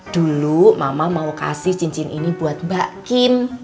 dulu mama mau kasih cincin ini buat mbak kin